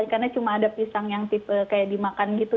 karena cuma ada pisang yang kayak dimakan gitu